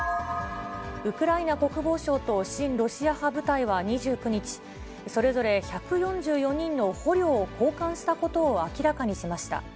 ウクライナ国防省と親ロシア派部隊は２９日、それぞれ１４４人の捕虜を交換したことを明らかにしました。